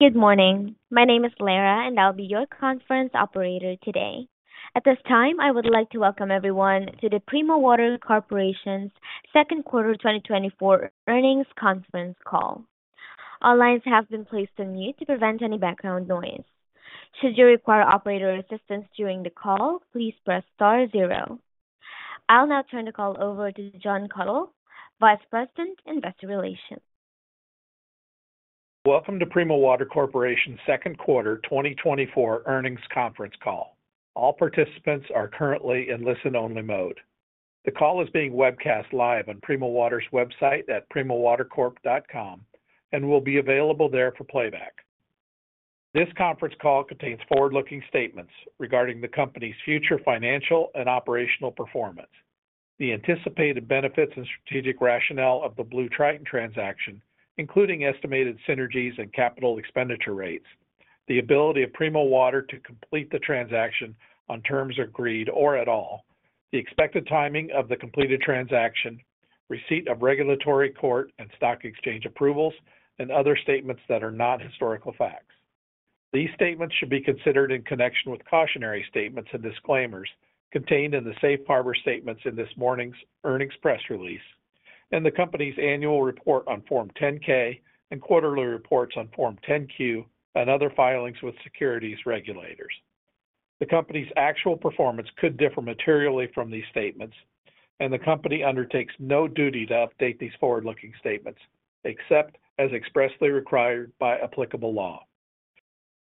Good morning. My name is Lara, and I'll be your conference operator today. At this time, I would like to welcome everyone to the Primo Water Corporation's second quarter 2024 earnings conference call. All lines have been placed on mute to prevent any background noise. Should you require operator assistance during the call, please press star zero. I'll now turn the call over to Jon Kathol, Vice President, Investor Relations. Welcome to Primo Water Corporation's Second Quarter 2024 Earnings Conference Call. All participants are currently in listen-only mode. The call is being webcast live on Primo Water's website at primowatercorp.com and will be available there for playback. This conference call contains forward-looking statements regarding the company's future financial and operational performance, the anticipated benefits and strategic rationale of the BlueTriton transaction, including estimated synergies and capital expenditure rates, the ability of Primo Water to complete the transaction on terms agreed or at all, the expected timing of the completed transaction, receipt of regulatory court and stock exchange approvals, and other statements that are not historical facts. These statements should be considered in connection with cautionary statements and disclaimers contained in the Safe Harbor Statements in this morning's earnings press release, and the company's annual report on Form 10-K and quarterly reports on Form 10-Q and other filings with securities regulators. The company's actual performance could differ materially from these statements, and the company undertakes no duty to update these forward-looking statements except as expressly required by applicable law.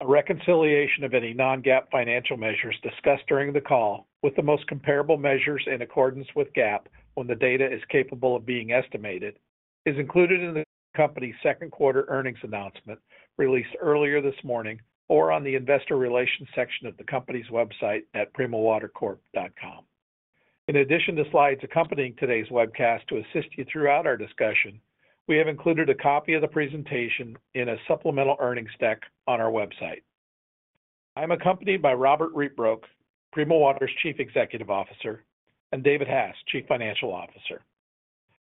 A reconciliation of any non-GAAP financial measures discussed during the call with the most comparable measures in accordance with GAAP when the data is capable of being estimated is included in the company's second quarter earnings announcement released earlier this morning or on the Investor Relations section of the company's website at primowatercorp.com. In addition to slides accompanying today's webcast to assist you throughout our discussion, we have included a copy of the presentation in a supplemental earnings deck on our website. I'm accompanied by Robbert Rietbroek, Primo Water's Chief Executive Officer, and David Hass, Chief Financial Officer.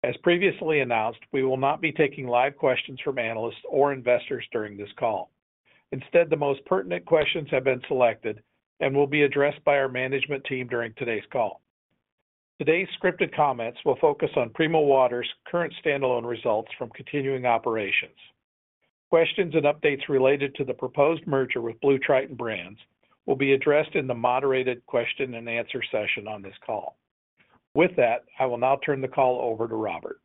As previously announced, we will not be taking live questions from analysts or investors during this call. Instead, the most pertinent questions have been selected and will be addressed by our management team during today's call. Today's scripted comments will focus on Primo Water's current standalone results from continuing operations. Questions and updates related to the proposed merger with BlueTriton Brands will be addressed in the moderated question-and-answer session on this call. With that, I will now turn the call over to Robbert.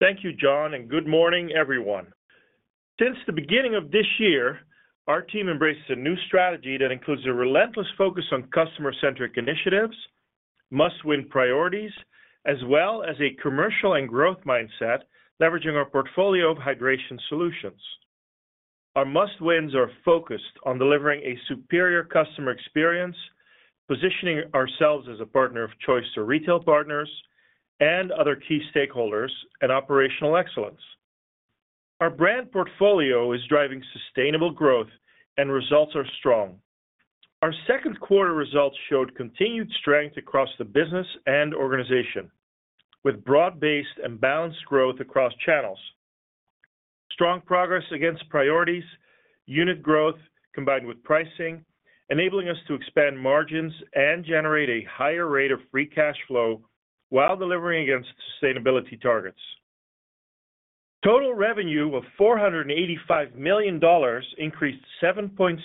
Thank you, Jon, and good morning, everyone. Since the beginning of this year, our team embraced a new strategy that includes a relentless focus on customer-centric initiatives, must-win priorities, as well as a commercial and growth mindset, leveraging our portfolio of hydration solutions. Our must-wins are focused on delivering a superior customer experience, positioning ourselves as a partner of choice to retail partners and other key stakeholders and operational excellence. Our brand portfolio is driving sustainable growth, and results are strong. Our second quarter results showed continued strength across the business and organization, with broad-based and balanced growth across channels. Strong progress against priorities, unit growth combined with pricing, enabling us to expand margins and generate a higher rate of free cash flow while delivering against sustainability targets. Total revenue of $485 million increased 7.6%,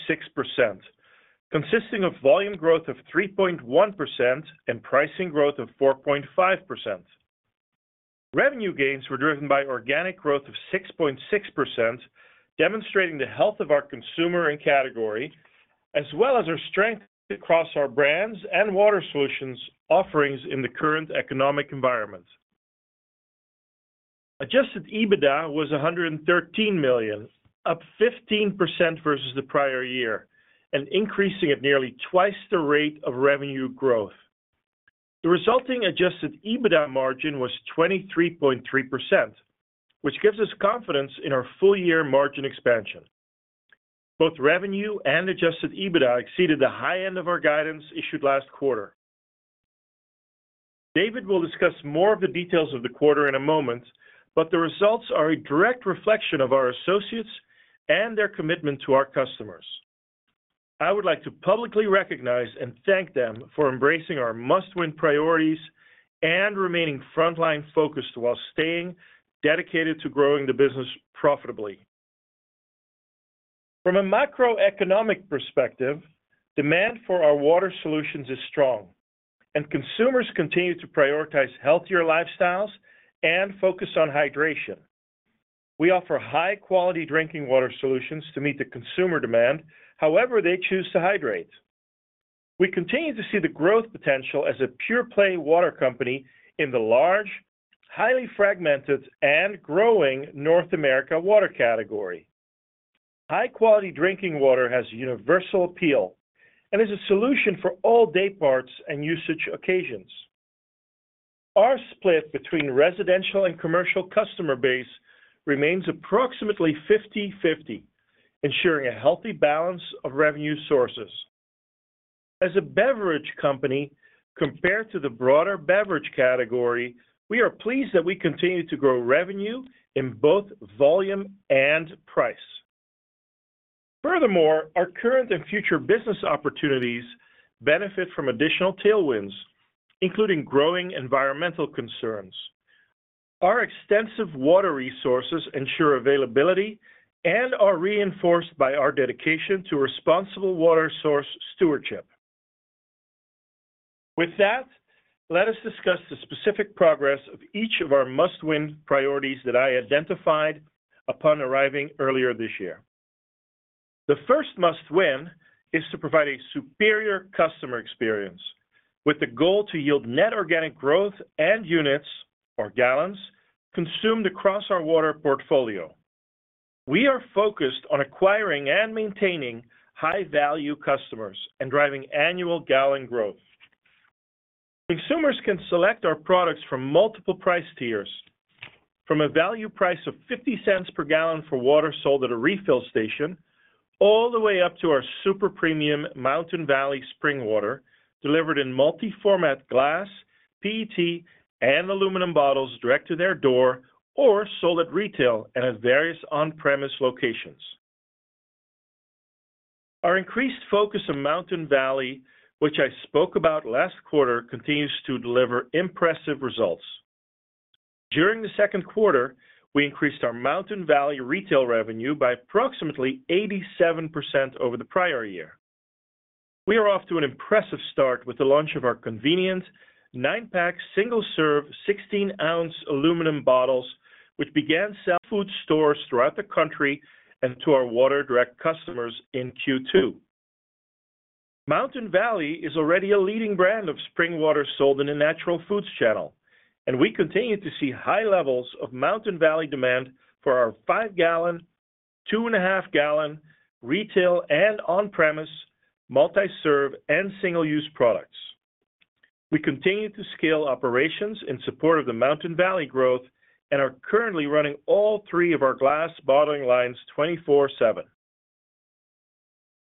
consisting of volume growth of 3.1% and pricing growth of 4.5%. Revenue gains were driven by organic growth of 6.6%, demonstrating the health of our consumer and category, as well as our strength across our brands and water solutions offerings in the current economic environment. Adjusted EBITDA was $113 million, up 15% versus the prior year, and increasing at nearly twice the rate of revenue growth. The resulting adjusted EBITDA margin was 23.3%, which gives us confidence in our full-year margin expansion. Both revenue and adjusted EBITDA exceeded the high end of our guidance issued last quarter. David will discuss more of the details of the quarter in a moment, but the results are a direct reflection of our associates and their commitment to our customers. I would like to publicly recognize and thank them for embracing our must-win priorities and remaining frontline focused while staying dedicated to growing the business profitably. From a macroeconomic perspective, demand for our water solutions is strong, and consumers continue to prioritize healthier lifestyles and focus on hydration. We offer high-quality drinking water solutions to meet the consumer demand, however they choose to hydrate. We continue to see the growth potential as a pure-play water company in the large, highly fragmented, and growing North America water category. High-quality drinking water has universal appeal and is a solution for all day parts and usage occasions. Our split between residential and commercial customer base remains approximately 50/50, ensuring a healthy balance of revenue sources. As a beverage company, compared to the broader beverage category, we are pleased that we continue to grow revenue in both volume and price. Furthermore, our current and future business opportunities benefit from additional tailwinds, including growing environmental concerns. Our extensive water resources ensure availability and are reinforced by our dedication to responsible water source stewardship. With that, let us discuss the specific progress of each of our must-win priorities that I identified upon arriving earlier this year. The first must-win is to provide a superior customer experience, with the goal to yield net organic growth and units, or gallons, consumed across our water portfolio. We are focused on acquiring and maintaining high-value customers and driving annual gallon growth. Consumers can select our products from multiple price tiers, from a value price of $0.50 per gallon for water sold at a refill station, all the way up to our super premium Mountain Valley Spring Water, delivered in multi-format glass, PET, and aluminum bottles direct to their door or sold at retail and at various on-premise locations. Our increased focus on Mountain Valley, which I spoke about last quarter, continues to deliver impressive results. During the second quarter, we increased our Mountain Valley retail revenue by approximately 87% over the prior year. We are off to an impressive start with the launch of our convenient 9-pack single-serve 16-ounce aluminum bottles, which began selling to food stores throughout the country and to our Water Direct customers in Q2. Mountain Valley is already a leading brand of spring water sold in the Natural Foods channel, and we continue to see high levels of Mountain Valley demand for our 5-gallon, 2.5-gallon retail and on-premise, multi-serve, and single-use products. We continue to scale operations in support of the Mountain Valley growth and are currently running all three of our glass bottling lines 24/7.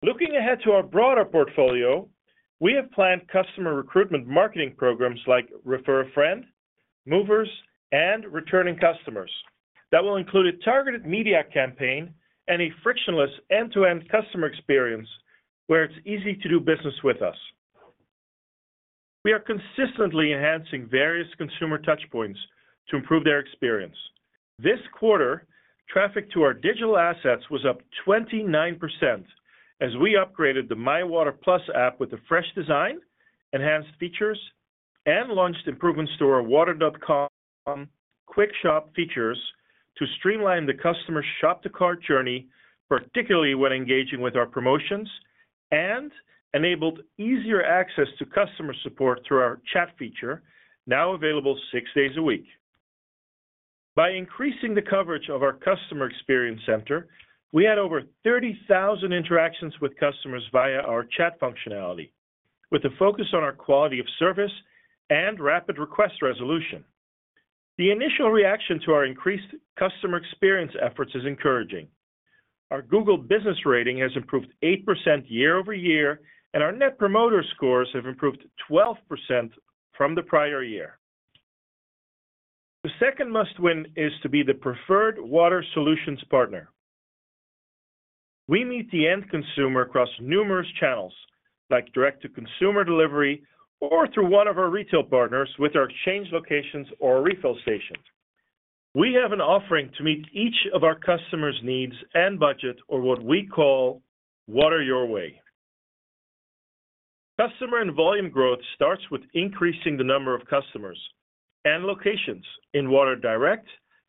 Looking ahead to our broader portfolio, we have planned customer recruitment marketing programs like Refer-A-Friend, Movers, and Returning Customers that will include a targeted media campaign and a frictionless end-to-end customer experience where it's easy to do business with us. We are consistently enhancing various consumer touchpoints to improve their experience. This quarter, traffic to our digital assets was up 29% as we upgraded the My Water+ app with a fresh design, enhanced features, and launched improved StoreWater.com Quick Shop features to streamline the customer's shop-to-cart journey, particularly when engaging with our promotions, and enabled easier access to customer support through our chat feature, now available six days a week. By increasing the coverage of our Customer Experience Center, we had over 30,000 interactions with customers via our chat functionality, with a focus on our quality of service and rapid request resolution. The initial reaction to our increased customer experience efforts is encouraging. Our Google Business rating has improved 8% year-over-year, and our Net Promoter scores have improved 12% from the prior year. The second must-win is to be the preferred water solutions partner. We meet the end consumer across numerous channels, like direct-to-consumer delivery or through one of our retail partners with our Water Exchange locations or Water Refill stations. We have an offering to meet each of our customers' needs and budget or what we call Water Your Way. Customer and volume growth starts with increasing the number of customers and locations in Water Direct,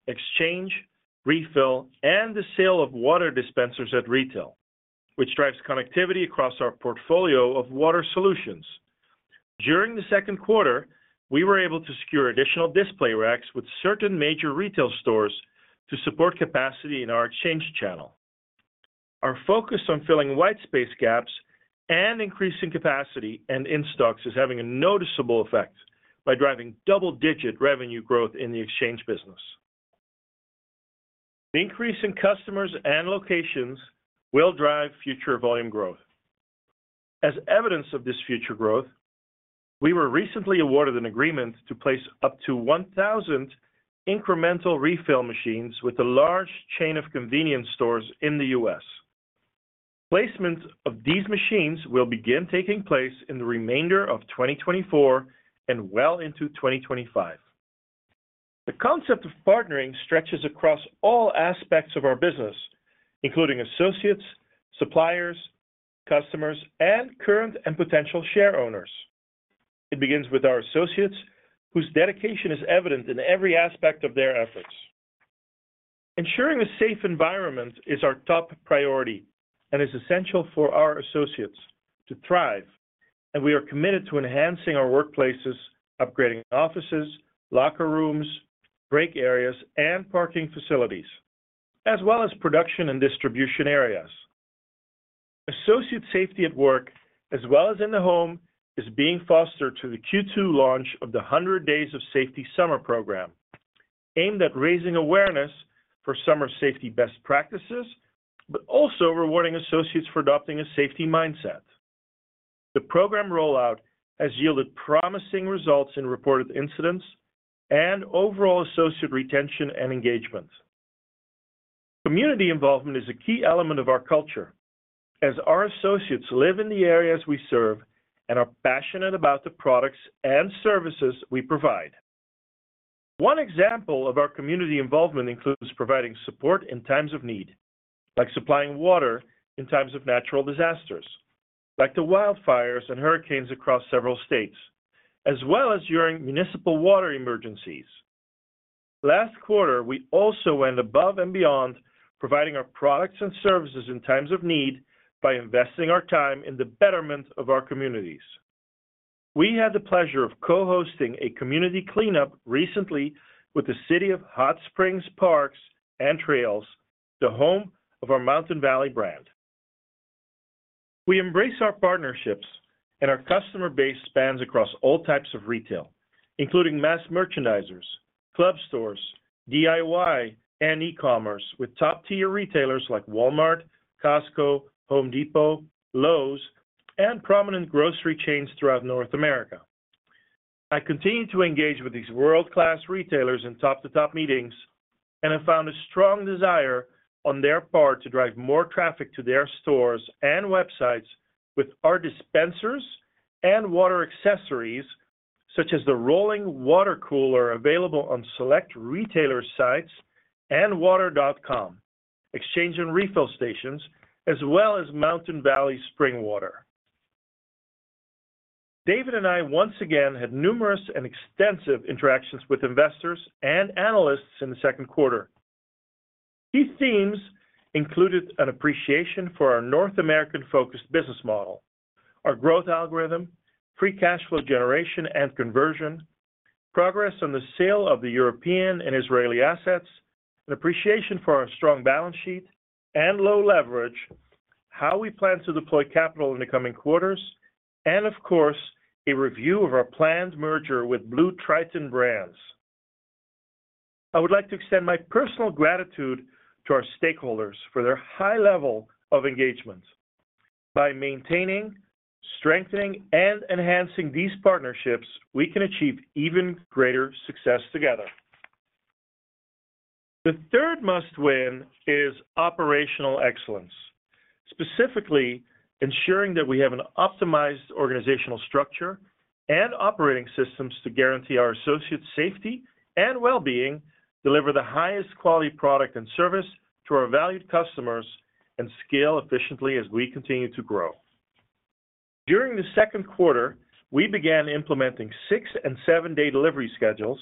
Water Exchange, Water Refill, and the sale of water dispensers at retail, which drives connectivity across our portfolio of water solutions. During the second quarter, we were able to secure additional display racks with certain major retail stores to support capacity in our Water Exchange channel. Our focus on filling white space gaps and increasing capacity and in-stocks is having a noticeable effect by driving double-digit revenue growth in the exchange business. The increase in customers and locations will drive future volume growth. As evidence of this future growth, we were recently awarded an agreement to place up to 1,000 incremental refill machines with a large chain of convenience stores in the U.S. Placement of these machines will begin taking place in the remainder of 2024 and well into 2025. The concept of partnering stretches across all aspects of our business, including associates, suppliers, customers, and current and potential share owners. It begins with our associates, whose dedication is evident in every aspect of their efforts. Ensuring a safe environment is our top priority and is essential for our associates to thrive, and we are committed to enhancing our workplaces, upgrading offices, locker rooms, break areas, and parking facilities, as well as production and distribution areas. Associate safety at work, as well as in the home, is being fostered through the Q2 launch of the 100 Days of Safety Summer program, aimed at raising awareness for summer safety best practices, but also rewarding associates for adopting a safety mindset. The program rollout has yielded promising results in reported incidents and overall associate retention and engagement. Community involvement is a key element of our culture, as our associates live in the areas we serve and are passionate about the products and services we provide. One example of our community involvement includes providing support in times of need, like supplying water in times of natural disasters, like the wildfires and hurricanes across several states, as well as during municipal water emergencies. Last quarter, we also went above and beyond providing our products and services in times of need by investing our time in the betterment of our communities. We had the pleasure of co-hosting a community cleanup recently with the City of Hot Springs, Parks, and Trails, the home of our Mountain Valley brand. We embrace our partnerships, and our customer base spans across all types of retail, including mass merchandisers, club stores, DIY, and e-commerce, with top-tier retailers like Walmart, Costco, Home Depot, Lowe's, and prominent grocery chains throughout North America. I continue to engage with these world-class retailers in top-to-top meetings and have found a strong desire on their part to drive more traffic to their stores and websites with our dispensers and water accessories, such as the rolling water cooler available on select retailer sites and Water.com exchange and refill stations, as well as Mountain Valley spring water. David and I once again had numerous and extensive interactions with investors and analysts in the second quarter. These themes included an appreciation for our North American-focused business model, our growth algorithm, free cash flow generation and conversion, progress on the sale of the European and Israeli assets, an appreciation for our strong balance sheet and low leverage, how we plan to deploy capital in the coming quarters, and of course, a review of our planned merger with BlueTriton Brands. I would like to extend my personal gratitude to our stakeholders for their high level of engagement. By maintaining, strengthening, and enhancing these partnerships, we can achieve even greater success together. The third must-win is operational excellence, specifically ensuring that we have an optimized organizational structure and operating systems to guarantee our associates' safety and well-being, deliver the highest quality product and service to our valued customers, and scale efficiently as we continue to grow. During the second quarter, we began implementing 6- and 7-day delivery schedules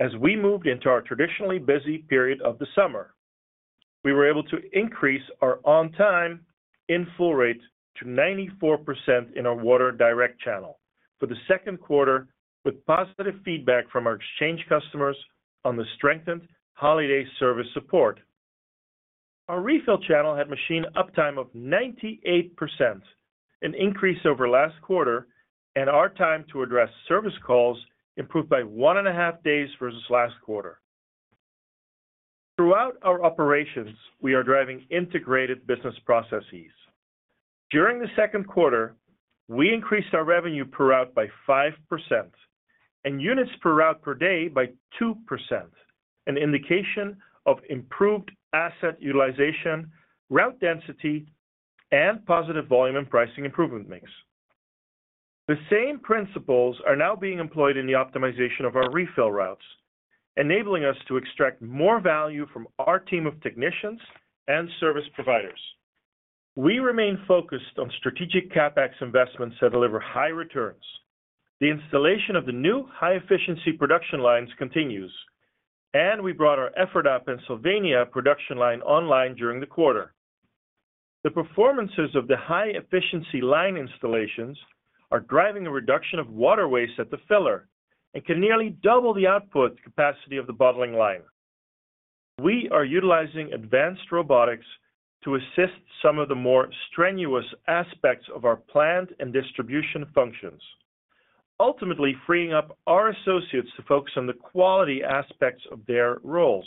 as we moved into our traditionally busy period of the summer. We were able to increase our on-time in full rate to 94% in our Water Direct channel for the second quarter, with positive feedback from our Exchange customers on the strengthened holiday service support. Our refill channel had machine uptime of 98%, an increase over last quarter, and our time to address service calls improved by 1.5 days versus last quarter. Throughout our operations, we are driving integrated business processes. During the second quarter, we increased our revenue per route by 5% and units per route per day by 2%, an indication of improved asset utilization, route density, and positive volume and pricing improvement mix. The same principles are now being employed in the optimization of our refill routes, enabling us to extract more value from our team of technicians and service providers. We remain focused on strategic CapEx investments that deliver high returns. The installation of the new high-efficiency production lines continues, and we brought our Everett, Pennsylvania production line online during the quarter. The performances of the high-efficiency line installations are driving a reduction of water waste at the filler and can nearly double the output capacity of the bottling line. We are utilizing advanced robotics to assist some of the more strenuous aspects of our plant and distribution functions, ultimately freeing up our associates to focus on the quality aspects of their roles.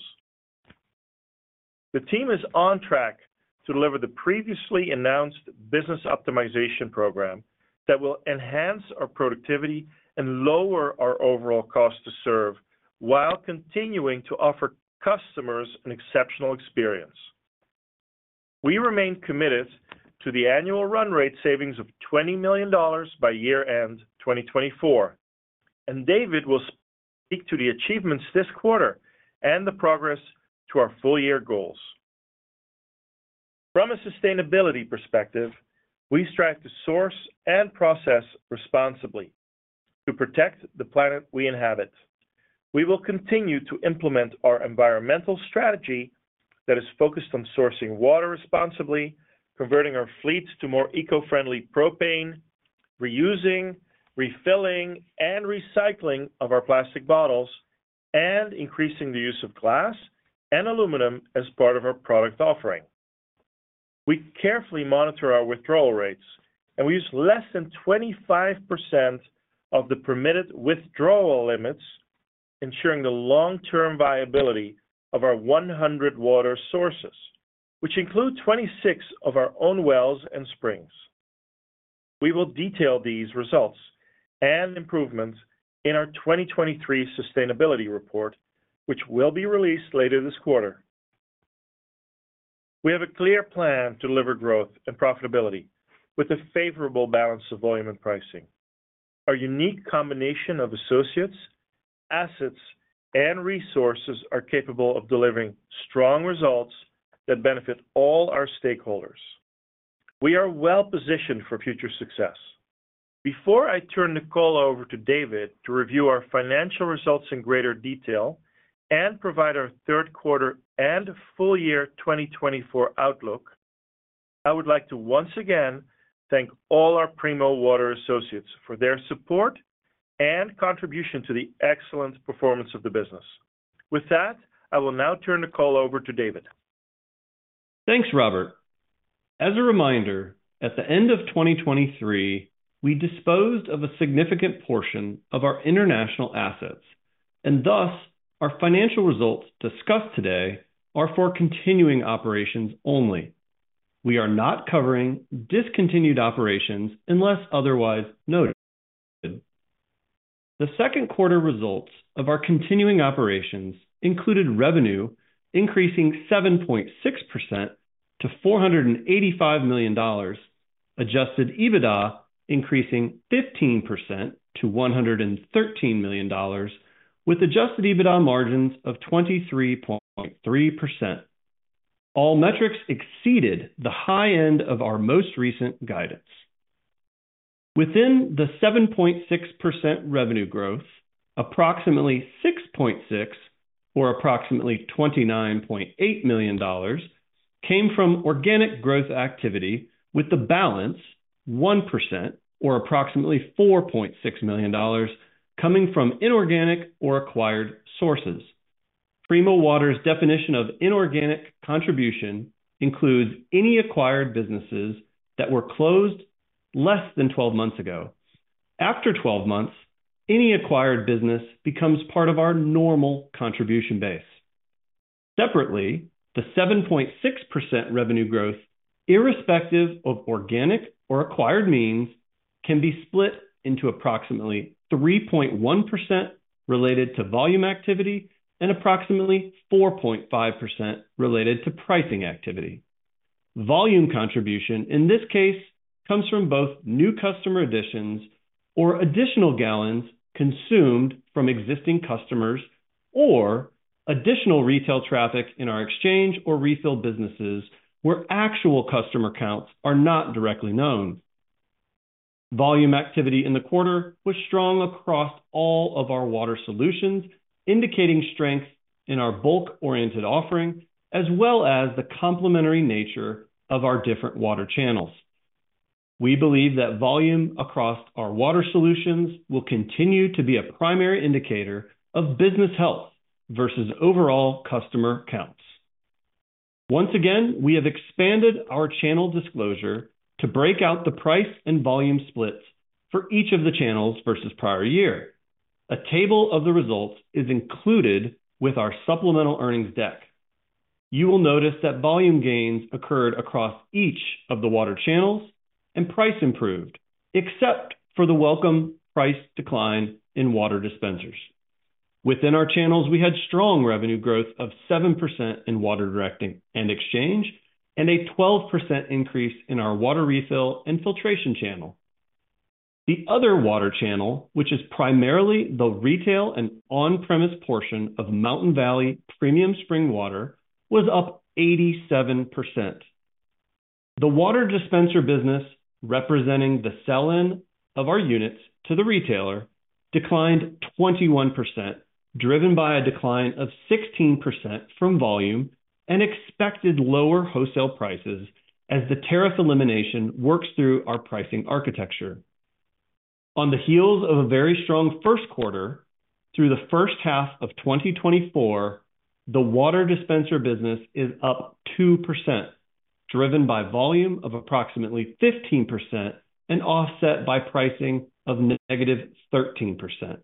The team is on track to deliver the previously announced business optimization program that will enhance our productivity and lower our overall cost to serve while continuing to offer customers an exceptional experience. We remain committed to the annual run rate savings of $20 million by year-end 2024, and David will speak to the achievements this quarter and the progress to our full-year goals. From a sustainability perspective, we strive to source and process responsibly to protect the planet we inhabit. We will continue to implement our environmental strategy that is focused on sourcing water responsibly, converting our fleets to more eco-friendly propane, reusing, refilling, and recycling of our plastic bottles, and increasing the use of glass and aluminum as part of our product offering. We carefully monitor our withdrawal rates, and we use less than 25% of the permitted withdrawal limits, ensuring the long-term viability of our 100 water sources, which include 26 of our own wells and springs. We will detail these results and improvements in our 2023 sustainability report, which will be released later this quarter. We have a clear plan to deliver growth and profitability with a favorable balance of volume and pricing. Our unique combination of associates, assets, and resources are capable of delivering strong results that benefit all our stakeholders. We are well-positioned for future success. Before I turn the call over to David to review our financial results in greater detail and provide our third quarter and full-year 2024 outlook, I would like to once again thank all our Primo Water associates for their support and contribution to the excellent performance of the business. With that, I will now turn the call over to David. Thanks, Robbert. As a reminder, at the end of 2023, we disposed of a significant portion of our international assets, and thus our financial results discussed today are for continuing operations only. We are not covering discontinued operations unless otherwise noted. The second quarter results of our continuing operations included revenue increasing 7.6% to $485 million, adjusted EBITDA increasing 15% to $113 million, with adjusted EBITDA margins of 23.3%. All metrics exceeded the high end of our most recent guidance. Within the 7.6% revenue growth, approximately 6.6 or approximately $29.8 million came from organic growth activity, with the balance 1% or approximately $4.6 million coming from inorganic or acquired sources. Primo Water's definition of inorganic contribution includes any acquired businesses that were closed less than 12 months ago. After 12 months, any acquired business becomes part of our normal contribution base. Separately, the 7.6% revenue growth, irrespective of organic or acquired means, can be split into approximately 3.1% related to volume activity and approximately 4.5% related to pricing activity. Volume contribution, in this case, comes from both new customer additions or additional gallons consumed from existing customers or additional retail traffic in our exchange or refill businesses where actual customer counts are not directly known. Volume activity in the quarter was strong across all of our water solutions, indicating strength in our bulk-oriented offering, as well as the complementary nature of our different water channels. We believe that volume across our water solutions will continue to be a primary indicator of business health versus overall customer counts. Once again, we have expanded our channel disclosure to break out the price and volume splits for each of the channels versus prior year. A table of the results is included with our supplemental earnings deck. You will notice that volume gains occurred across each of the water channels and price improved, except for the welcome price decline in water dispensers. Within our channels, we had strong revenue growth of 7% in Water Direct and Exchange and a 12% increase in our Water Refill and filtration channel. The other water channel, which is primarily the retail and on-premise portion of Mountain Valley Premium Spring Water, was up 87%. The water dispenser business, representing the sell-in of our units to the retailer, declined 21%, driven by a decline of 16% from volume and expected lower wholesale prices as the tariff elimination works through our pricing architecture. On the heels of a very strong first quarter, through the first half of 2024, the water dispenser business is up 2%, driven by volume of approximately 15% and offset by pricing of -13%.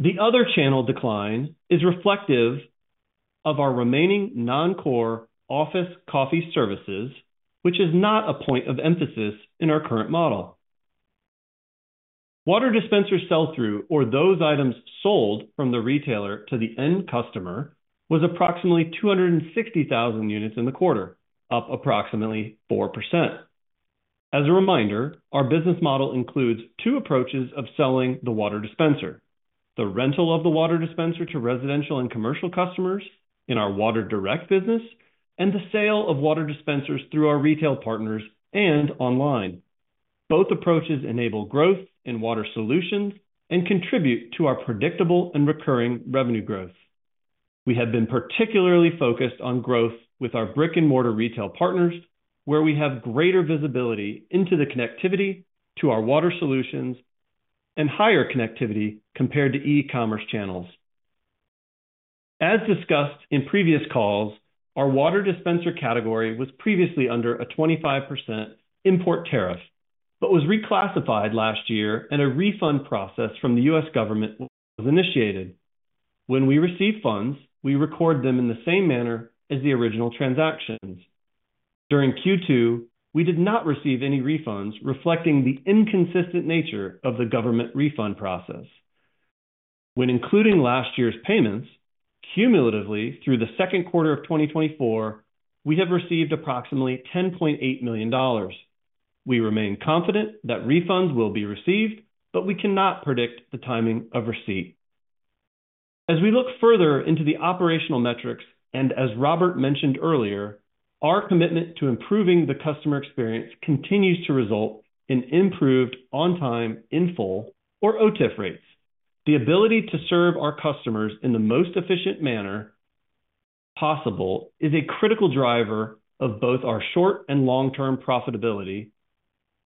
The other channel decline is reflective of our remaining non-core office coffee services, which is not a point of emphasis in our current model. Water dispenser sell-through, or those items sold from the retailer to the end customer, was approximately 260,000 units in the quarter, up approximately 4%. As a reminder, our business model includes two approaches of selling the water dispenser: the rental of the water dispenser to residential and commercial customers in our Water Direct business and the sale of water dispensers through our retail partners and online. Both approaches enable growth in water solutions and contribute to our predictable and recurring revenue growth. We have been particularly focused on growth with our brick-and-mortar retail partners, where we have greater visibility into the connectivity to our water solutions and higher connectivity compared to e-commerce channels. As discussed in previous calls, our water dispenser category was previously under a 25% import tariff, but was reclassified last year and a refund process from the U.S. government was initiated. When we receive funds, we record them in the same manner as the original transactions. During Q2, we did not receive any refunds reflecting the inconsistent nature of the government refund process. When including last year's payments, cumulatively through the second quarter of 2024, we have received approximately $10.8 million. We remain confident that refunds will be received, but we cannot predict the timing of receipt. As we look further into the operational metrics and as Robbert mentioned earlier, our commitment to improving the customer experience continues to result in improved on-time, in-full, or OTIF rates. The ability to serve our customers in the most efficient manner possible is a critical driver of both our short and long-term profitability,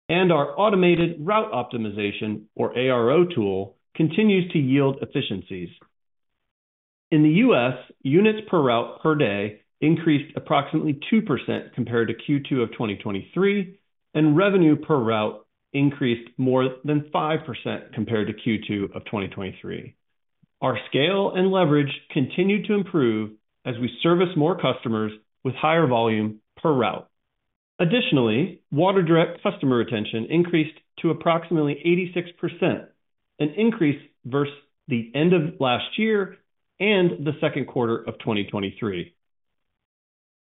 and our automated route optimization, or ARO tool, continues to yield efficiencies. In the U.S., units per route per day increased approximately 2% compared to Q2 of 2023, and revenue per route increased more than 5% compared to Q2 of 2023. Our scale and leverage continue to improve as we service more customers with higher volume per route. Additionally, Water Direct customer retention increased to approximately 86%, an increase versus the end of last year and the second quarter of 2023.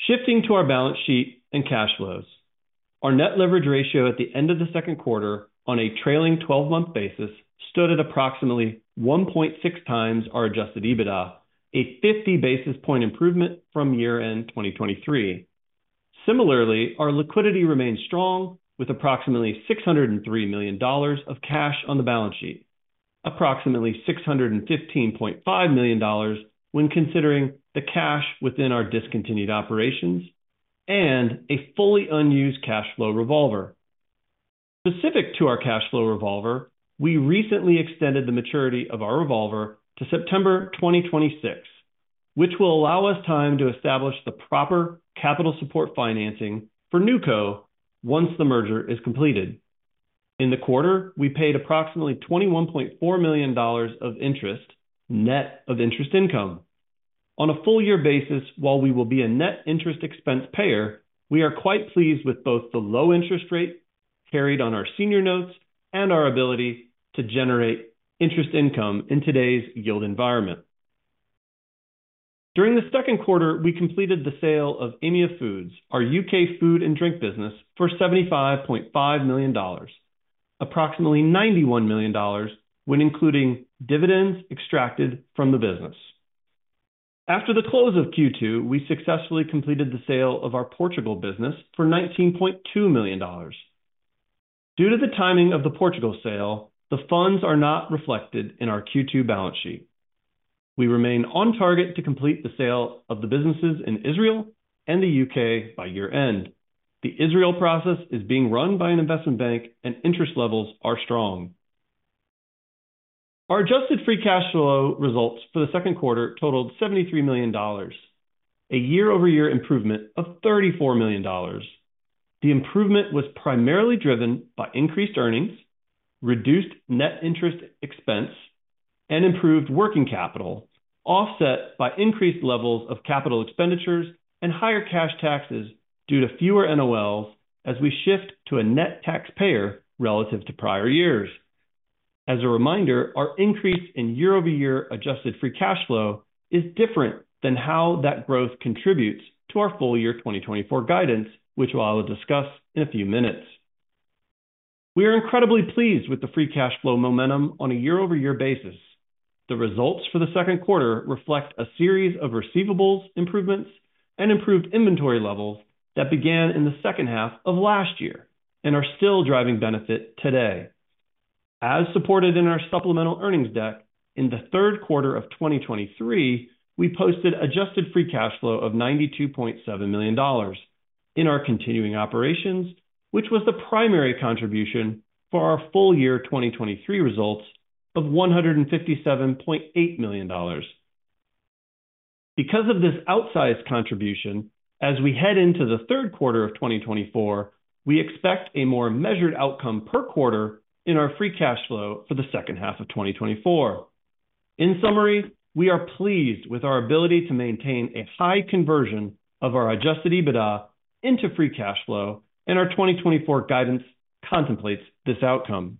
Shifting to our balance sheet and cash flows, our net leverage ratio at the end of the second quarter on a trailing 12-month basis stood at approximately 1.6 times our adjusted EBITDA, a 50 basis point improvement from year-end 2023. Similarly, our liquidity remained strong with approximately $603 million of cash on the balance sheet, approximately $615.5 million when considering the cash within our discontinued operations, and a fully unused cash flow revolver. Specific to our cash flow revolver, we recently extended the maturity of our revolver to September 2026, which will allow us time to establish the proper capital support financing for NOCU once the merger is completed. In the quarter, we paid approximately $21.4 million of interest, net of interest income. On a full-year basis, while we will be a net interest expense payer, we are quite pleased with both the low interest rate carried on our senior notes and our ability to generate interest income in today's yield environment. During the second quarter, we completed the sale of EMEA Foods, our U.K. food and drink business, for $75.5 million, approximately $91 million when including dividends extracted from the business. After the close of Q2, we successfully completed the sale of our Portugal business for $19.2 million. Due to the timing of the Portugal sale, the funds are not reflected in our Q2 balance sheet. We remain on target to complete the sale of the businesses in Israel and the U.K. by year-end. The sale process is being run by an investment bank, and interest levels are strong. Our adjusted free cash flow results for the second quarter totaled $73 million, a year-over-year improvement of $34 million. The improvement was primarily driven by increased earnings, reduced net interest expense, and improved working capital, offset by increased levels of capital expenditures and higher cash taxes due to fewer NOLs as we shift to a net taxpayer relative to prior years. As a reminder, our increase in year-over-year adjusted free cash flow is different than how that growth contributes to our full-year 2024 guidance, which I will discuss in a few minutes. We are incredibly pleased with the free cash flow momentum on a year-over-year basis. The results for the second quarter reflect a series of receivables improvements and improved inventory levels that began in the second half of last year and are still driving benefit today. As supported in our supplemental earnings deck, in the third quarter of 2023, we posted adjusted free cash flow of $92.7 million in our continuing operations, which was the primary contribution for our full-year 2023 results of $157.8 million. Because of this outsized contribution, as we head into the third quarter of 2024, we expect a more measured outcome per quarter in our free cash flow for the second half of 2024. In summary, we are pleased with our ability to maintain a high conversion of our adjusted EBITDA into free cash flow, and our 2024 guidance contemplates this outcome.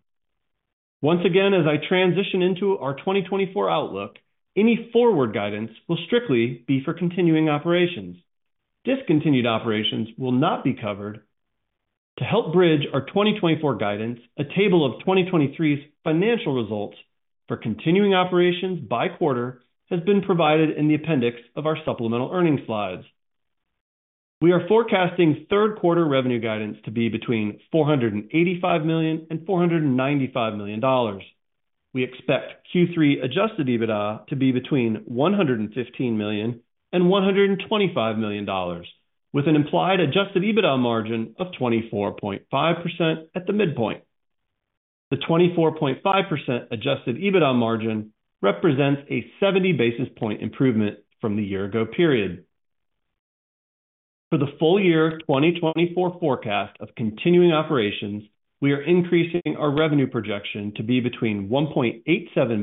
Once again, as I transition into our 2024 outlook, any forward guidance will strictly be for continuing operations. Discontinued operations will not be covered. To help bridge our 2024 guidance, a table of 2023's financial results for continuing operations by quarter has been provided in the appendix of our supplemental earnings slides. We are forecasting third quarter revenue guidance to be between $485 million-$495 million. We expect Q3 adjusted EBITDA to be between $115 million-$125 million, with an implied adjusted EBITDA margin of 24.5% at the midpoint. The 24.5% adjusted EBITDA margin represents a 70 basis points improvement from the year-ago period. For the full-year 2024 forecast of continuing operations, we are increasing our revenue projection to be between $1.87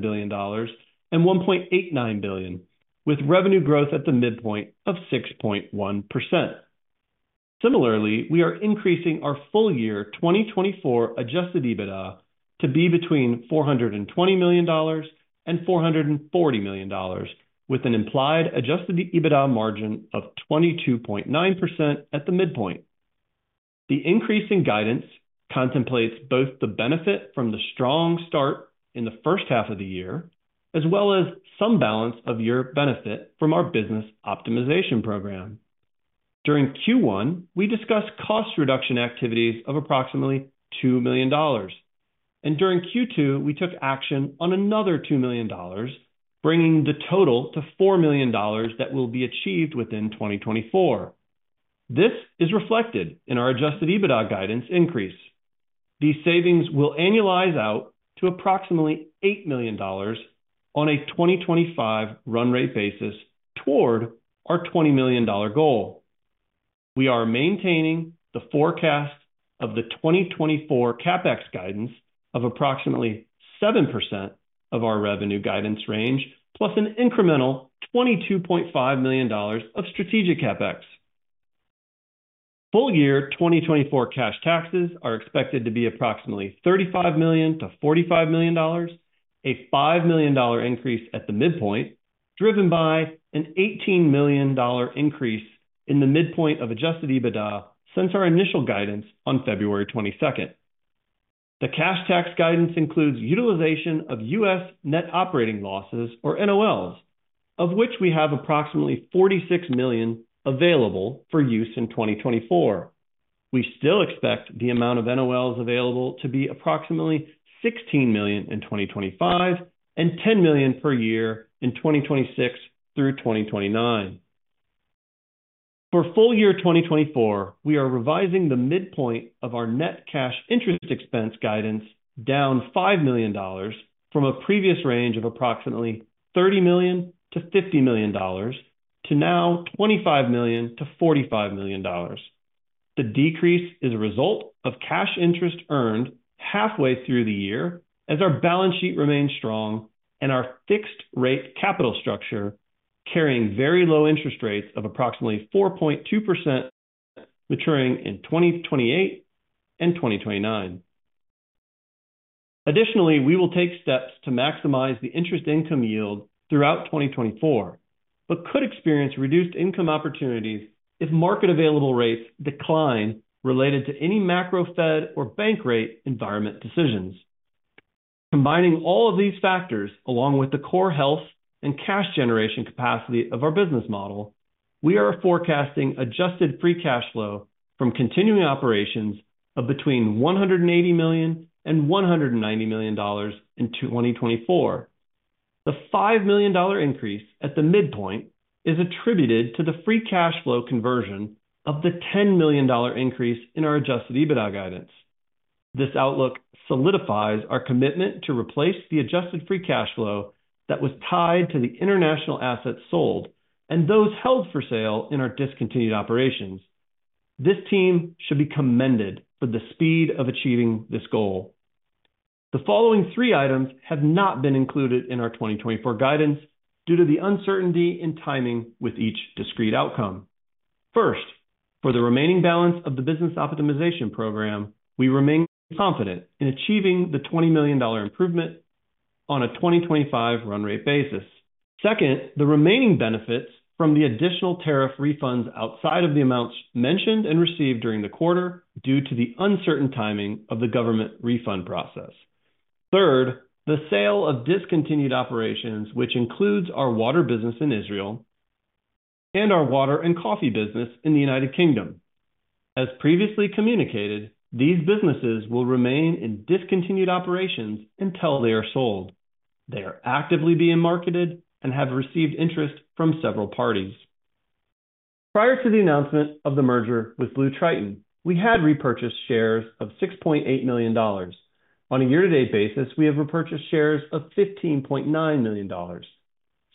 billion-$1.89 billion, with revenue growth at the midpoint of 6.1%. Similarly, we are increasing our full-year 2024 adjusted EBITDA to be between $420 million-$440 million, with an implied adjusted EBITDA margin of 22.9% at the midpoint. The increase in guidance contemplates both the benefit from the strong start in the first half of the year, as well as some balance of year benefit from our business optimization program. During Q1, we discussed cost reduction activities of approximately $2 million, and during Q2, we took action on another $2 million, bringing the total to $4 million that will be achieved within 2024. This is reflected in our adjusted EBITDA guidance increase. These savings will annualize out to approximately $8 million on a 2025 run rate basis toward our $20 million goal. We are maintaining the forecast of the 2024 CapEx guidance of approximately 7% of our revenue guidance range, plus an incremental $22.5 million of strategic CapEx. Full-year 2024 cash taxes are expected to be approximately $35 million-$45 million, a $5 million increase at the midpoint, driven by an $18 million increase in the midpoint of adjusted EBITDA since our initial guidance on February 22nd. The cash tax guidance includes utilization of U.S. net operating losses, or NOLs, of which we have approximately $46 million available for use in 2024. We still expect the amount of NOLs available to be approximately $16 million in 2025 and $10 million per year in 2026 through 2029. For full-year 2024, we are revising the midpoint of our net cash interest expense guidance down $5 million from a previous range of approximately $30 million-$50 million to now $25 million-$45 million. The decrease is a result of cash interest earned halfway through the year as our balance sheet remains strong and our fixed-rate capital structure carrying very low interest rates of approximately 4.2% maturing in 2028 and 2029. Additionally, we will take steps to maximize the interest income yield throughout 2024, but could experience reduced income opportunities if market available rates decline related to any macro Fed or bank rate environment decisions. Combining all of these factors along with the core health and cash generation capacity of our business model, we are forecasting adjusted free cash flow from continuing operations of between $180 million and $190 million in 2024. The $5 million increase at the midpoint is attributed to the free cash flow conversion of the $10 million increase in our adjusted EBITDA guidance. This outlook solidifies our commitment to replace the adjusted free cash flow that was tied to the international assets sold and those held for sale in our discontinued operations. This team should be commended for the speed of achieving this goal. The following three items have not been included in our 2024 guidance due to the uncertainty in timing with each discrete outcome. First, for the remaining balance of the business optimization program, we remain confident in achieving the $20 million improvement on a 2025 run rate basis. Second, the remaining benefits from the additional tariff refunds outside of the amounts mentioned and received during the quarter due to the uncertain timing of the government refund process. Third, the sale of discontinued operations, which includes our water business in Israel and our water and coffee business in the United Kingdom. As previously communicated, these businesses will remain in discontinued operations until they are sold. They are actively being marketed and have received interest from several parties. Prior to the announcement of the merger with BlueTriton, we had repurchased shares of $6.8 million. On a year-to-date basis, we have repurchased shares of $15.9 million.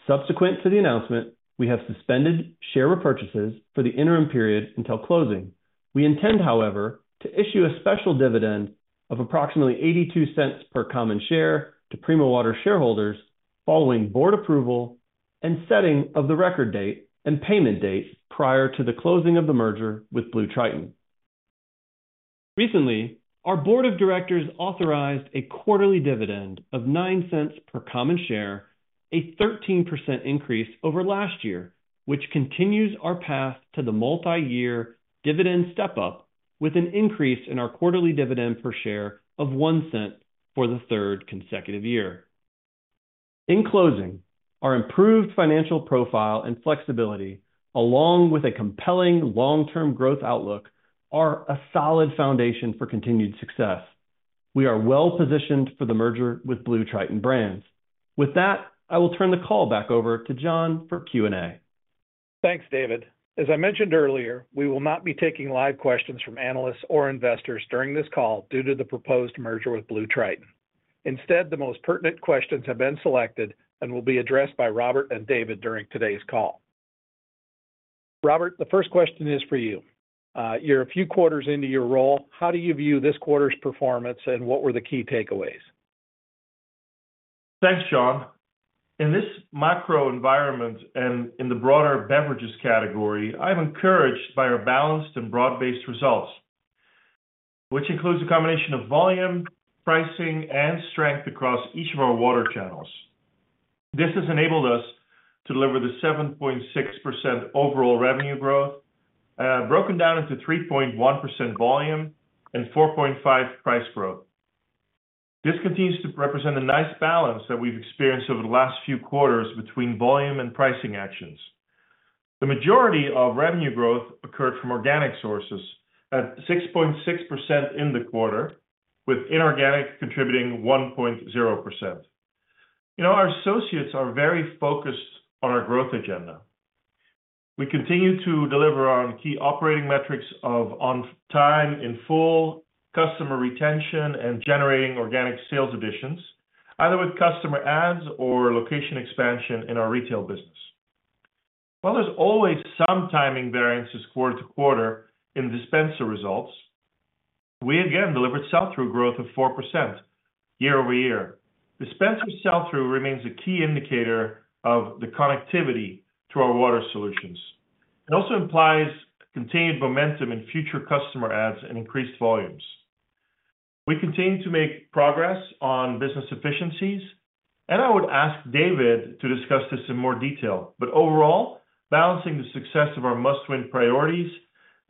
Subsequent to the announcement, we have suspended share repurchases for the interim period until closing. We intend, however, to issue a special dividend of approximately $0.82 per common share to Primo Water shareholders following board approval and setting of the record date and payment date prior to the closing of the merger with BlueTriton. Recently, our board of directors authorized a quarterly dividend of $0.09 per common share, a 13% increase over last year, which continues our path to the multi-year dividend step-up with an increase in our quarterly dividend per share of $0.01 for the third consecutive year. In closing, our improved financial profile and flexibility, along with a compelling long-term growth outlook, are a solid foundation for continued success. We are well-positioned for the merger with BlueTriton Brands. With that, I will turn the call back over to Jon for Q&A. Thanks, David. As I mentioned earlier, we will not be taking live questions from analysts or investors during this call due to the proposed merger with BlueTriton. Instead, the most pertinent questions have been selected and will be addressed by Robbert and David during today's call. Robbert, the first question is for you. You're a few quarters into your role. How do you view this quarter's performance and what were the key takeaways? Thanks, Jon. In this micro environment and in the broader beverages category, I'm encouraged by our balanced and broad-based results, which includes a combination of volume, pricing, and strength across each of our water channels. This has enabled us to deliver the 7.6% overall revenue growth, broken down into 3.1% volume and 4.5% price growth. This continues to represent a nice balance that we've experienced over the last few quarters between volume and pricing actions. The majority of revenue growth occurred from organic sources at 6.6% in the quarter, with inorganic contributing 1.0%. You know, our associates are very focused on our growth agenda. We continue to deliver on key operating metrics of on-time, in full, customer retention, and generating organic sales additions, either with customer ads or location expansion in our retail business. While there's always some timing variances quarter to quarter in dispenser results, we again delivered sell-through growth of 4% year-over-year. Dispenser sell-through remains a key indicator of the connectivity to our water solutions. It also implies continued momentum in future customer ads and increased volumes. We continue to make progress on business efficiencies, and I would ask David to discuss this in more detail, but overall, balancing the success of our must-win priorities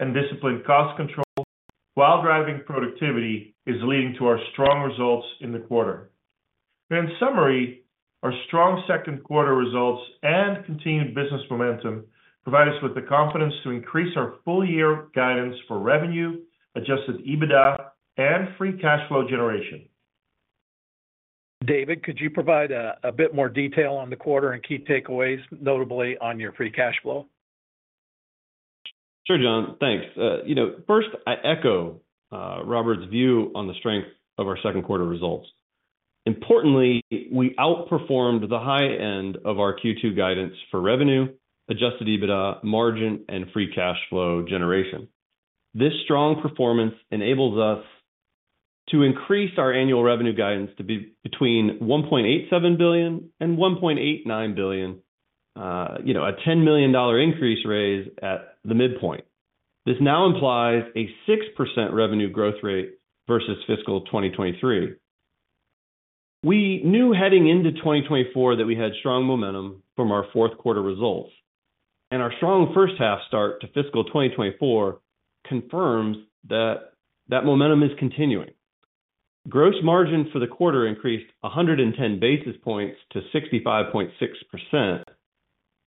and disciplined cost control while driving productivity is leading to our strong results in the quarter. In summary, our strong second quarter results and continued business momentum provide us with the confidence to increase our full-year guidance for revenue, adjusted EBITDA, and free cash flow generation. David, could you provide a bit more detail on the quarter and key takeaways, notably on your free cash flow? Sure, Jon. Thanks. You know, first, I echo Robbert's view on the strength of our second quarter results. Importantly, we outperformed the high end of our Q2 guidance for revenue, adjusted EBITDA, margin, and free cash flow generation. This strong performance enables us to increase our annual revenue guidance to be between $1.87 billion and $1.89 billion, you know, a $10 million increase raise at the midpoint. This now implies a 6% revenue growth rate versus fiscal 2023. We knew heading into 2024 that we had strong momentum from our fourth quarter results, and our strong first half start to fiscal 2024 confirms that that momentum is continuing. Gross margin for the quarter increased 110 basis points to 65.6%,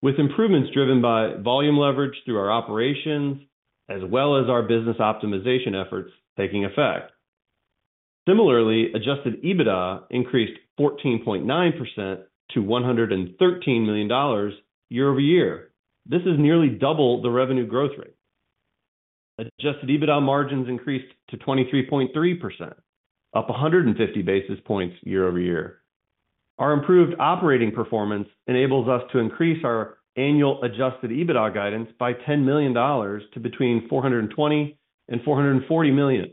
with improvements driven by volume leverage through our operations, as well as our business optimization efforts taking effect. Similarly, adjusted EBITDA increased 14.9% to $113 million year-over-year. This is nearly double the revenue growth rate. Adjusted EBITDA margins increased to 23.3%, up 150 basis points year-over-year. Our improved operating performance enables us to increase our annual adjusted EBITDA guidance by $10 million to between $420 and $440 million.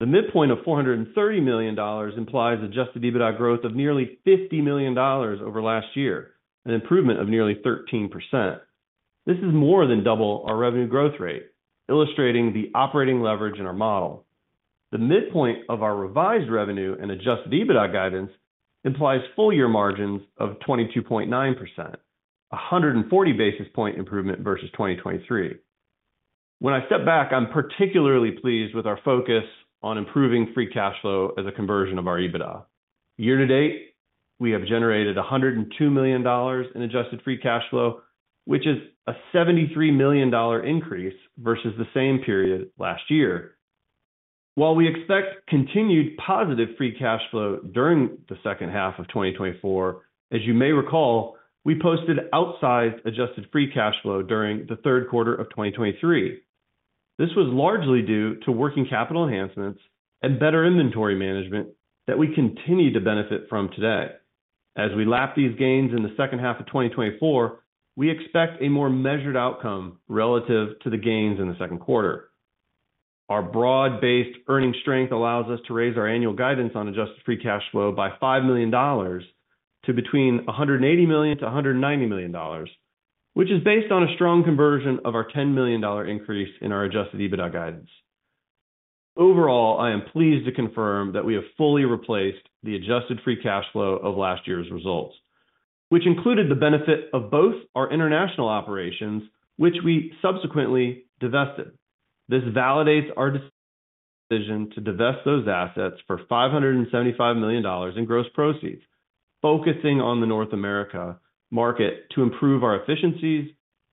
The midpoint of $430 million implies adjusted EBITDA growth of nearly $50 million over last year, an improvement of nearly 13%. This is more than double our revenue growth rate, illustrating the operating leverage in our model. The midpoint of our revised revenue and adjusted EBITDA guidance implies full-year margins of 22.9%, a 140 basis point improvement versus 2023. When I step back, I'm particularly pleased with our focus on improving free cash flow as a conversion of our EBITDA. Year to date, we have generated $102 million in adjusted free cash flow, which is a $73 million increase versus the same period last year. While we expect continued positive free cash flow during the second half of 2024, as you may recall, we posted outsized adjusted free cash flow during the third quarter of 2023. This was largely due to working capital enhancements and better inventory management that we continue to benefit from today. As we lap these gains in the second half of 2024, we expect a more measured outcome relative to the gains in the second quarter. Our broad-based earnings strength allows us to raise our annual guidance on adjusted free cash flow by $5 million to between $180 million-$190 million, which is based on a strong conversion of our $10 million increase in our adjusted EBITDA guidance. Overall, I am pleased to confirm that we have fully replaced the adjusted free cash flow of last year's results, which included the benefit of both our international operations, which we subsequently divested. This validates our decision to divest those assets for $575 million in gross proceeds, focusing on the North America market to improve our efficiencies,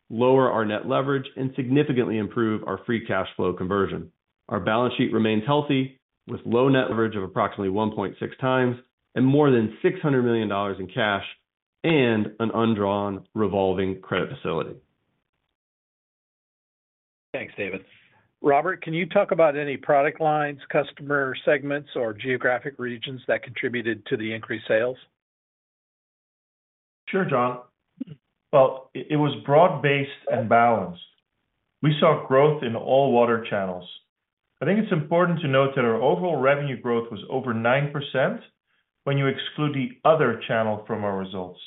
lower our net leverage, and significantly improve our free cash flow conversion. Our balance sheet remains healthy, with low net leverage of approximately 1.6 times and more than $600 million in cash and an undrawn revolving credit facility. Thanks, David. Robbert, can you talk about any product lines, customer segments, or geographic regions that contributed to the increased sales? Sure, Jon. Well, it was broad-based and balanced. We saw growth in all water channels. I think it's important to note that our overall revenue growth was over 9% when you exclude the other channel from our results.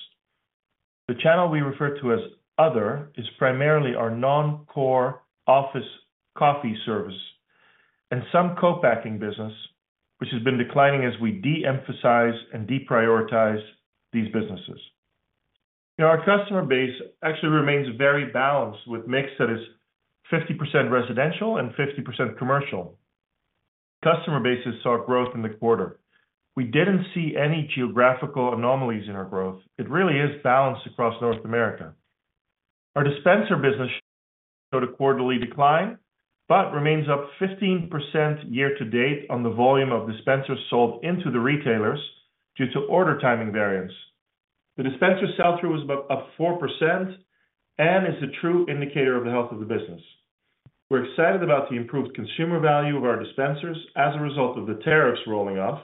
The channel we refer to as "other" is primarily our non-core office coffee service and some co-packing business, which has been declining as we de-emphasize and deprioritize these businesses. Our customer base actually remains very balanced with mix that is 50% residential and 50% commercial. Customer bases saw growth in the quarter. We didn't see any geographical anomalies in our growth. It really is balanced across North America. Our dispenser business showed a quarterly decline, but remains up 15% year to date on the volume of dispensers sold into the retailers due to order timing variance. The dispenser sell-through was about up 4% and is a true indicator of the health of the business. We're excited about the improved consumer value of our dispensers as a result of the tariffs rolling off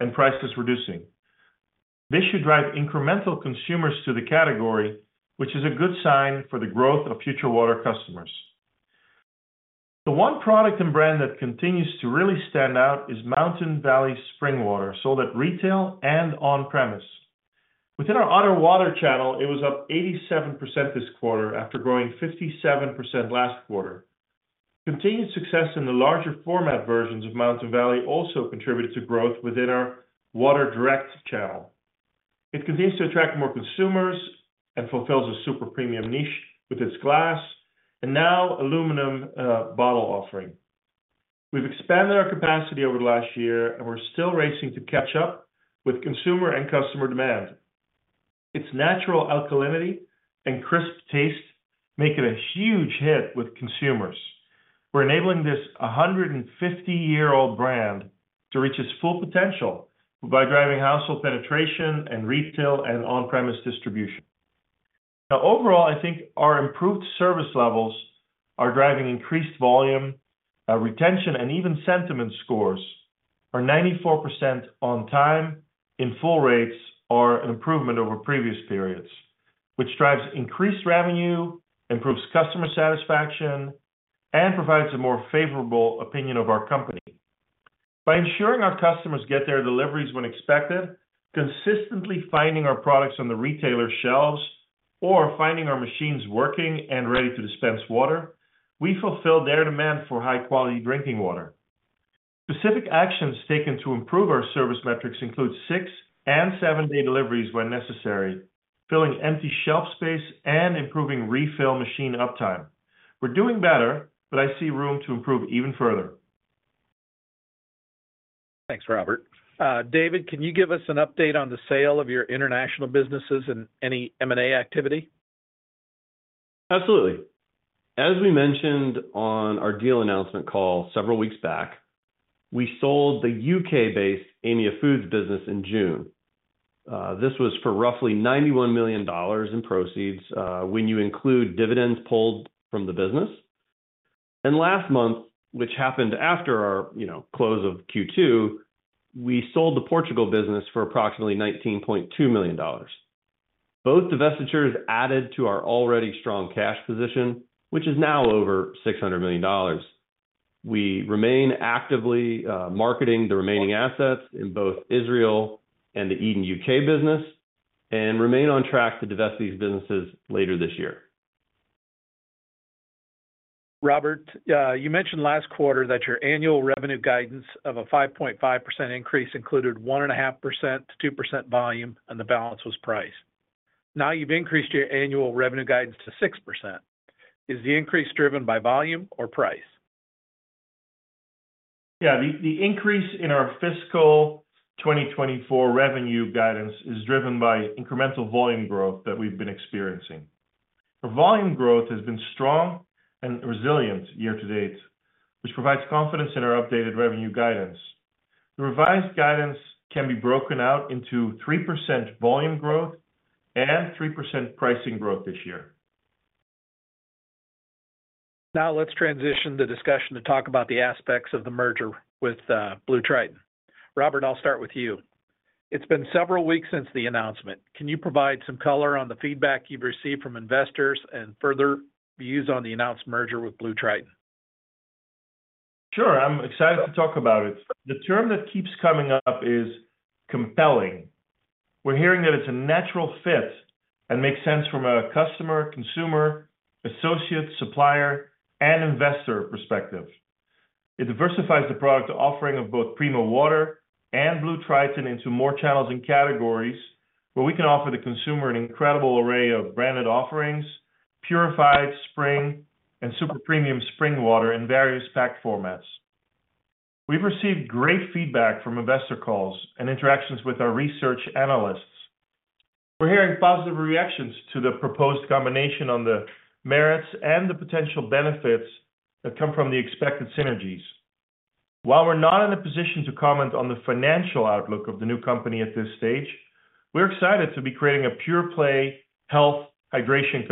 and prices reducing. This should drive incremental consumers to the category, which is a good sign for the growth of future water customers. The one product and brand that continues to really stand out is Mountain Valley Spring Water, sold at retail and on-premise. Within our other water channel, it was up 87% this quarter after growing 57% last quarter. Continued success in the larger format versions of Mountain Valley also contributed to growth within our Water Direct channel. It continues to attract more consumers and fulfills a super premium niche with its glass and now aluminum bottle offering. We've expanded our capacity over the last year, and we're still racing to catch up with consumer and customer demand. Its natural alkalinity and crisp taste make it a huge hit with consumers. We're enabling this 150-year-old brand to reach its full potential by driving household penetration and retail and on-premise distribution. Now, overall, I think our improved service levels are driving increased volume, retention, and even sentiment scores. Our 94% on-time in full rates are an improvement over previous periods, which drives increased revenue, improves customer satisfaction, and provides a more favorable opinion of our company. By ensuring our customers get their deliveries when expected, consistently finding our products on the retailer shelves, or finding our machines working and ready to dispense water, we fulfill their demand for high-quality drinking water. Specific actions taken to improve our service metrics include six- and seven-day deliveries when necessary, filling empty shelf space, and improving refill machine uptime. We're doing better, but I see room to improve even further. Thanks, Robbert. David, can you give us an update on the sale of your international businesses and any M&A activity? Absolutely. As we mentioned on our deal announcement call several weeks back, we sold the U.K.-based Amia Foods business in June. This was for roughly $91 million in proceeds when you include dividends pulled from the business. Last month, which happened after our, you know, close of Q2, we sold the Portugal business for approximately $19.2 million. Both divestitures added to our already strong cash position, which is now over $600 million. We remain actively marketing the remaining assets in both Israel and the Eden UK business and remain on track to divest these businesses later this year. Robbert, you mentioned last quarter that your annual revenue guidance of a 5.5% increase included 1.5%-2% volume, and the balance was price. Now you've increased your annual revenue guidance to 6%. Is the increase driven by volume or price? Yeah, the increase in our fiscal 2024 revenue guidance is driven by incremental volume growth that we've been experiencing. The volume growth has been strong and resilient year to date, which provides confidence in our updated revenue guidance. The revised guidance can be broken out into 3% volume growth and 3% pricing growth this year. Now let's transition the discussion to talk about the aspects of the merger with BlueTriton. Robbert, I'll start with you. It's been several weeks since the announcement. Can you provide some color on the feedback you've received from investors and further views on the announced merger with BlueTriton? Sure, I'm excited to talk about it. The term that keeps coming up is compelling. We're hearing that it's a natural fit and makes sense from a customer, consumer, associate, supplier, and investor perspective. It diversifies the product offering of both Primo Water and BlueTriton into more channels and categories where we can offer the consumer an incredible array of branded offerings, purified, spring, and super premium spring water in various packed formats. We've received great feedback from investor calls and interactions with our research analysts. We're hearing positive reactions to the proposed combination on the merits and the potential benefits that come from the expected synergies. While we're not in a position to comment on the financial outlook of the new company at this stage, we're excited to be creating a pure play health hydration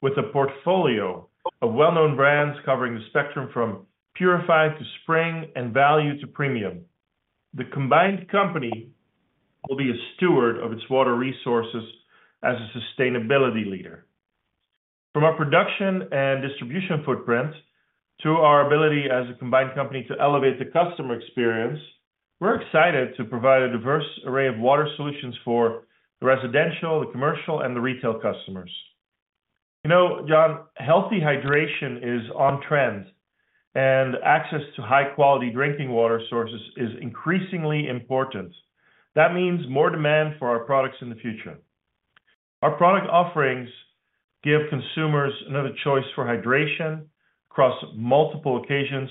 company with a portfolio of well-known brands covering the spectrum from purified to spring and value to premium. The combined company will be a steward of its water resources as a sustainability leader. From our production and distribution footprint to our ability as a combined company to elevate the customer experience, we're excited to provide a diverse array of water solutions for the residential, the commercial, and the retail customers. You know, Jon, healthy hydration is on trend, and access to high-quality drinking water sources is increasingly important. That means more demand for our products in the future. Our product offerings give consumers another choice for hydration across multiple occasions,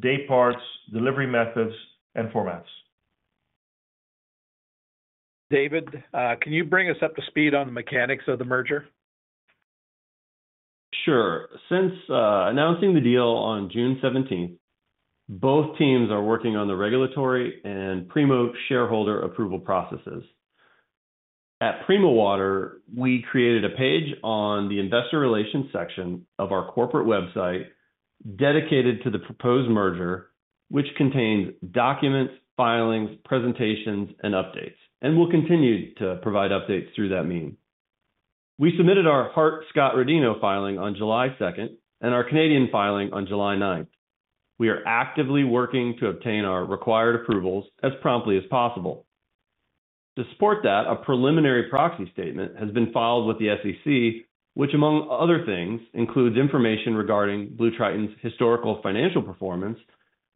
day parts, delivery methods, and formats. David, can you bring us up to speed on the mechanics of the merger? Sure. Since announcing the deal on June 17th, both teams are working on the regulatory and Primo shareholder approval processes. At Primo Water, we created a page on the investor relations section of our corporate website dedicated to the proposed merger, which contains documents, filings, presentations, and updates, and we'll continue to provide updates through that means. We submitted our Hart-Scott-Rodino filing on July 2nd and our Canadian filing on July 9th. We are actively working to obtain our required approvals as promptly as possible. To support that, a preliminary proxy statement has been filed with the SEC, which, among other things, includes information regarding BlueTriton's historical financial performance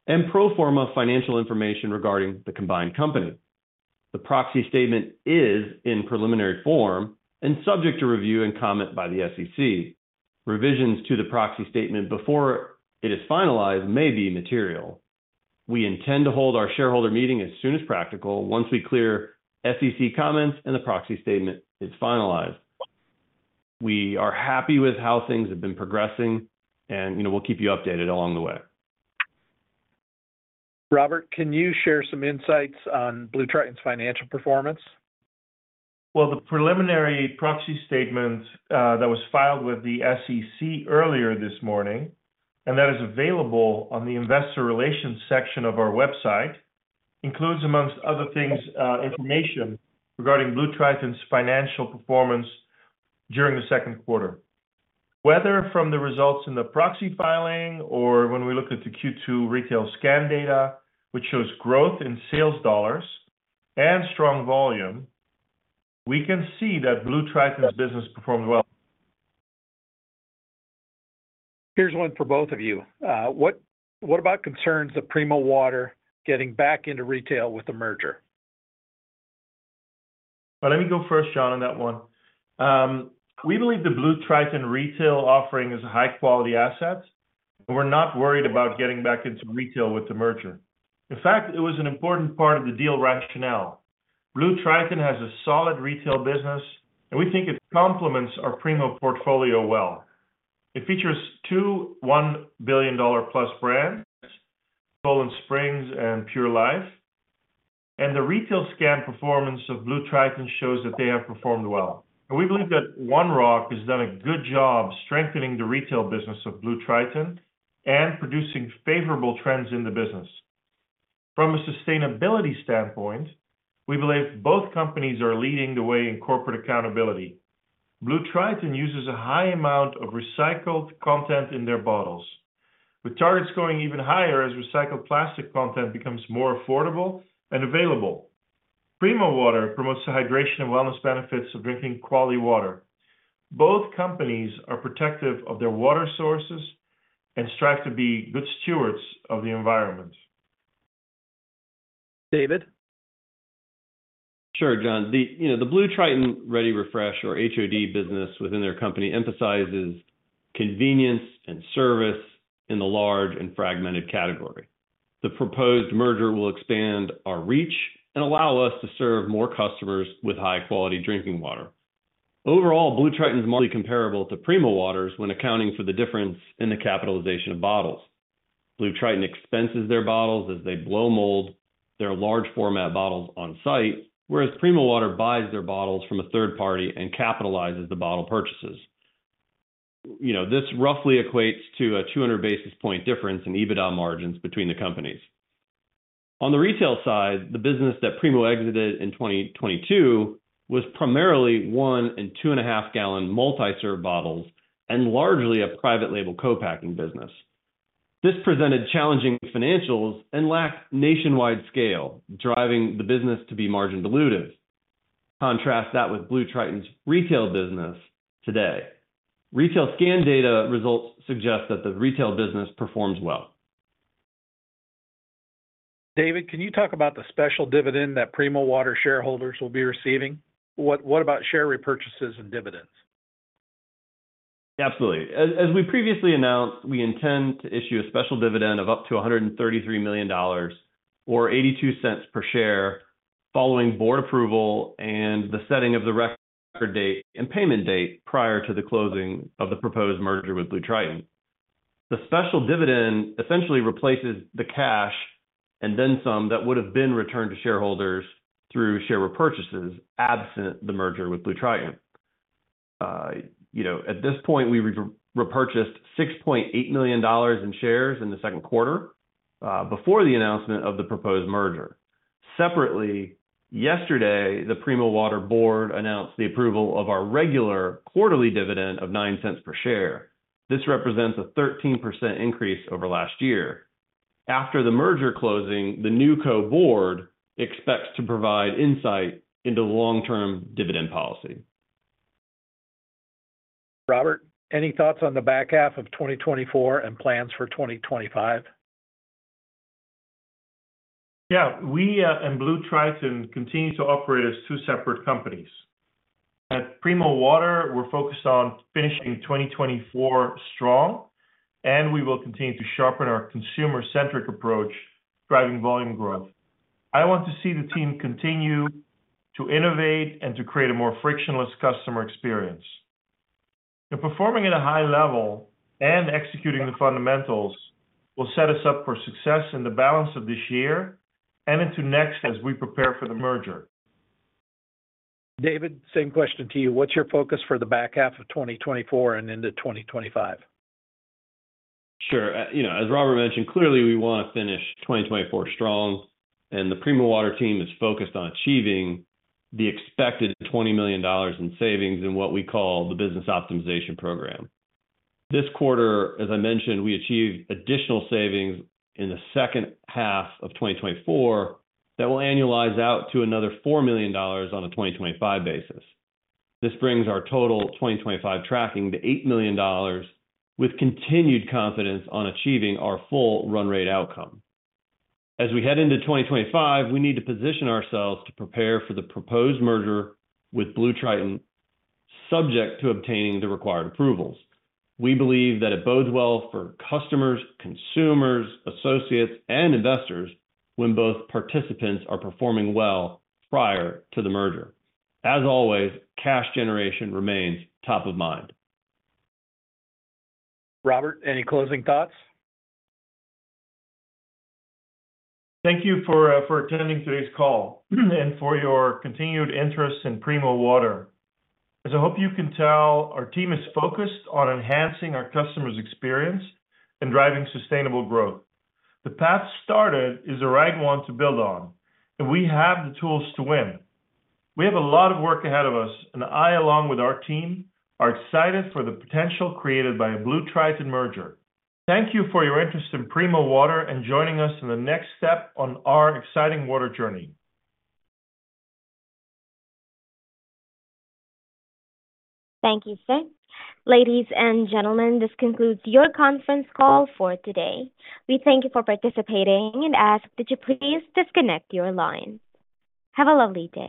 and pro forma financial information regarding the combined company. The proxy statement is in preliminary form and subject to review and comment by the SEC. Revisions to the proxy statement before it is finalized may be material. We intend to hold our shareholder meeting as soon as practical once we clear SEC comments and the proxy statement is finalized. We are happy with how things have been progressing, and you know we'll keep you updated along the way. Robbert, can you share some insights on BlueTriton's financial performance? Well, the preliminary proxy statement that was filed with the SEC earlier this morning, and that is available on the investor relations section of our website, includes, among other things, information regarding BlueTriton's financial performance during the second quarter. Whether from the results in the proxy filing or when we looked at the Q2 retail scan data, which shows growth in sales dollars and strong volume, we can see that BlueTriton's business performed well. Here's one for both of you. What about concerns of Primo Water getting back into retail with the merger? Well, let me go first, Jon, on that one. We believe the BlueTriton retail offering is a high-quality asset, and we're not worried about getting back into retail with the merger. In fact, it was an important part of the deal rationale. BlueTriton has a solid retail business, and we think it complements our Primo portfolio well. It features 2 $1 billion-plus brands, Poland Spring and Pure Life. The retail scan performance of BlueTriton shows that they have performed well. We believe that One Rock has done a good job strengthening the retail business of BlueTriton and producing favorable trends in the business. From a sustainability standpoint, we believe both companies are leading the way in corporate accountability. BlueTriton uses a high amount of recycled content in their bottles, with targets going even higher as recycled plastic content becomes more affordable and available. Primo Water promotes the hydration and wellness benefits of drinking quality water. Both companies are protective of their water sources and strive to be good stewards of the environment. David? Sure, Jon. The BlueTriton ReadyRefresh, or HOD business within their company, emphasizes convenience and service in the large and fragmented category. The proposed merger will expand our reach and allow us to serve more customers with high-quality drinking water. Overall, BlueTriton's model is comparable to Primo Water's when accounting for the difference in the capitalization of bottles. BlueTriton expenses their bottles as they blow mold their large format bottles on site, whereas Primo Water buys their bottles from a third party and capitalizes the bottle purchases. You know, this roughly equates to a 200 basis point difference in EBITDA margins between the companies. On the retail side, the business that Primo exited in 2022 was primarily one- and two-and-a-half-gallon multi-serve bottles and largely a private label co-packing business. This presented challenging financials and lacked nationwide scale, driving the business to be margin-dilutive. Contrast that with BlueTriton's retail business today. Retail scan data results suggest that the retail business performs well. David, can you talk about the special dividend that Primo Water shareholders will be receiving? What about share repurchases and dividends? Absolutely. As we previously announced, we intend to issue a special dividend of up to $133 million or $0.82 per share following board approval and the setting of the record date and payment date prior to the closing of the proposed merger with BlueTriton. The special dividend essentially replaces the cash and then some that would have been returned to shareholders through share repurchases absent the merger with BlueTriton. You know, at this point, we repurchased $6.8 million in shares in the second quarter before the announcement of the proposed merger. Separately, yesterday, the Primo Water board announced the approval of our regular quarterly dividend of $0.09 per share. This represents a 13% increase over last year. After the merger closing, the NewCo board expects to provide insight into long-term dividend policy. Robbert, any thoughts on the back half of 2024 and plans for 2025? Yeah, we and BlueTriton continue to operate as two separate companies. At Primo Water, we're focused on finishing 2024 strong, and we will continue to sharpen our consumer-centric approach, driving volume growth. I want to see the team continue to innovate and to create a more frictionless customer experience. The performing at a high level and executing the fundamentals will set us up for success in the balance of this year and into next as we prepare for the merger. David, same question to you. What's your focus for the back half of 2024 and into 2025? Sure. You know, as Robbert mentioned, clearly we want to finish 2024 strong, and the Primo Water team is focused on achieving the expected $20 million in savings in what we call the business optimization program. This quarter, as I mentioned, we achieved additional savings in the second half of 2024 that will annualize out to another $4 million on a 2025 basis. This brings our total 2025 tracking to $8 million, with continued confidence on achieving our full run rate outcome. As we head into 2025, we need to position ourselves to prepare for the proposed merger with BlueTriton, subject to obtaining the required approvals. We believe that it bodes well for customers, consumers, associates, and investors when both participants are performing well prior to the merger. As always, cash generation remains top of mind. Robbert, any closing thoughts? Thank you for attending today's call and for your continued interest in Primo Water. As I hope you can tell, our team is focused on enhancing our customers' experience and driving sustainable growth. The path started is a roadmap to build on, and we have the tools to win. We have a lot of work ahead of us, and I, along with our team, are excited for the potential created by a BlueTriton merger. Thank you for your interest in Primo Water and joining us in the next step on our exciting water journey. Thank you, sir. Ladies and gentlemen, this concludes your conference call for today. We thank you for participating and ask that you please disconnect your line. Have a lovely day.